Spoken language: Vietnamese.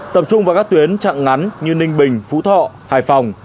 tập trung vào các tuyến trạng ngắn như ninh bình phú thọ hải phòng